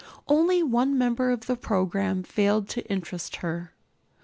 Only one number on the program failed to interest her.